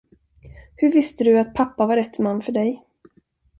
Hur visste du att pappa var rätt man för dig?